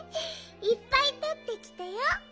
いっぱいとってきたよ。